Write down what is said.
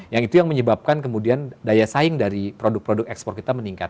yang itu yang menyebabkan kemudian daya saing dari produk produk ekspor kita meningkat